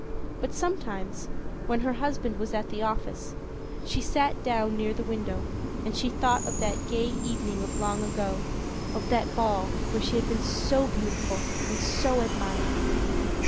But sometimes, when her husband was at the office, she sat down near the window and she thought of that gay evening of long ago, of that ball where she had been so beautiful and so admired.